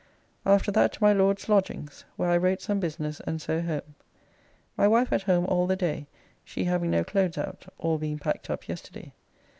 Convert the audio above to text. After that to my Lord's lodgings, where I wrote some business and so home. My wife at home all the day, she having no clothes out, all being packed up yesterday.